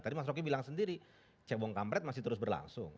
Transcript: tadi mas roky bilang sendiri cek bongkampret masih terus berlangsung